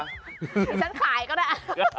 ให้ฉันขายก็ได้